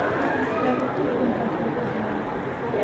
และลดต้นทุนการทำประมง